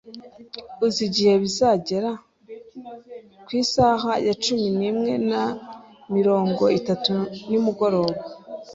"Uzi igihe bazagera?" "Ku isaha ya cumi n'umwe na mirongo itatu nimugoroba."